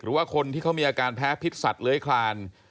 หรือว่าคนที่เขามีอาการแพ้พิษสัตว์เลื้อยคลาน